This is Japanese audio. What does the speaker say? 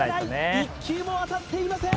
１球も当たっていません